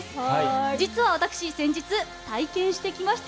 実は私先日、体験してきました。